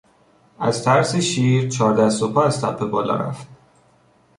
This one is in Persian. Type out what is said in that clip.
از ترس شیر چهار دست و پا از تپه بالا رفت.